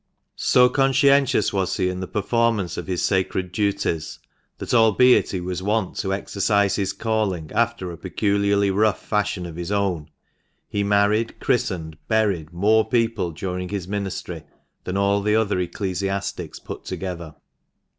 21 So conscientious was he in the performance of his sacred duties that, albeit he was wont to exercise his calling after a peculiarly rough fashion of his own, he married, christened, buried more people during his ministry than all the other ecclesiastics put together.